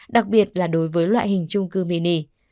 đặc biệt là đối với loại hình trung cư mini